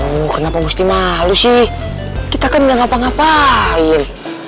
hmm kenapa mesti malu sih kita kan gak ngapa ngapain